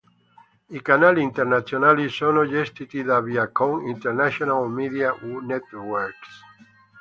I canali internazionali sono gestiti da Viacom International Media Networks.